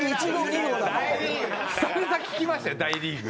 久々に聞きましたよ「大リーグ」。